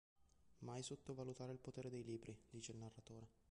Mai sottovalutare il potere dei libri, dice il narratore.